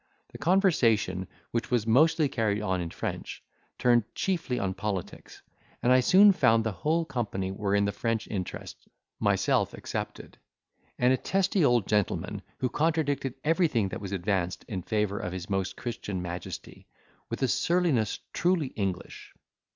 The conversation, which was mostly carried on in French, turned chiefly on politics; and I soon found the whole company were in the French interest, myself excepted, and a testy old gentleman, who contradicted everything that was advanced in favour of his Most Christian Majesty, with a surliness truly English.